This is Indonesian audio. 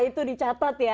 nah itu dicatat ya